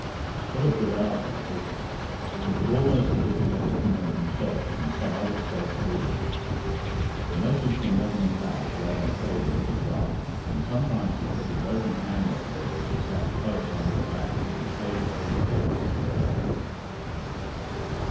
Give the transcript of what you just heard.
Philip devoured the letters. It was almost as if he had written them himself in some other state of being. The message from Government House lay on a table at his right, and sometimes he put his open hand over it as he sat close under the lamp on a table at his left and read on